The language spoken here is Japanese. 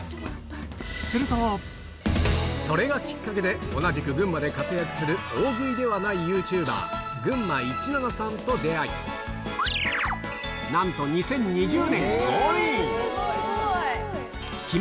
すると、それがきっかけで同じく群馬で活躍する大食いではないユーチューバー、グンマ１７さんと出会い、なんと２０２０年にゴールイン。